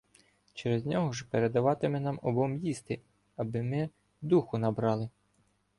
Через нього ж передаватиме нам обом їсти, аби ми "духу набрали".